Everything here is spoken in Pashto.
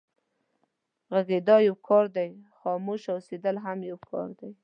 غږېدا يو کار دی، خاموشه اوسېدل هم يو کار دی.